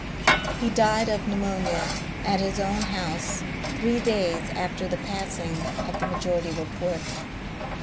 He died of pneumonia at his own house three days after the passing of the Majority Report.